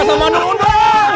sama nur undur